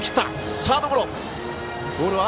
サードゴロ。